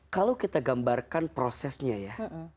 kalau kita gambarkan prosesnya ya